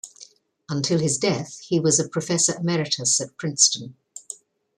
Until his death, he was a professor emeritus at Princeton.